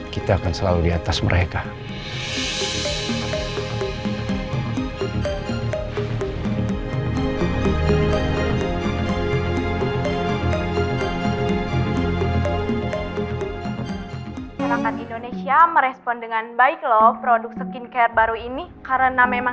kita akan selalu di atas mereka